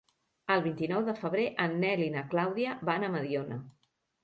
El vint-i-nou de febrer en Nel i na Clàudia van a Mediona.